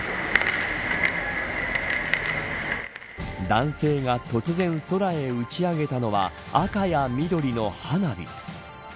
男性が突然空へ打ち上げたのは赤や緑の花火。